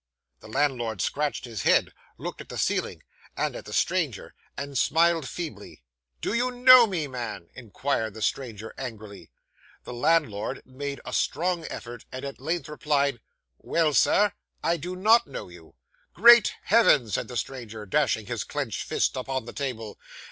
The landlord scratched his head, looked at the ceiling, and at the stranger, and smiled feebly. 'Do you know me, man?' inquired the stranger angrily. The landlord made a strong effort, and at length replied, 'Well, Sir, I do not know you.' 'Great Heaven!' said the stranger, dashing his clenched fist upon the table.